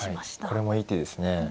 これもいい手ですね。